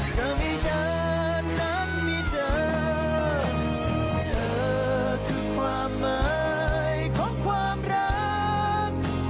สมิยะนั้นมีเธอเธอคือความหมายของความรัก